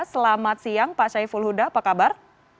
selamat siang pak syai fulhuda apa kabar